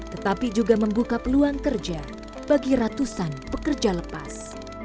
tetapi juga membuka peluang kerja bagi ratusan pekerja lepas